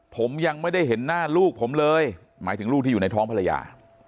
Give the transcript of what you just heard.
ผมยังไม่ได้เห็นหน้าลูกผมเลยหมายถึงลูกที่อยู่ในท้องภรรยา